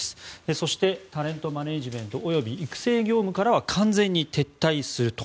そしてタレントマネジメント及び育成業務からは完全に撤退すると。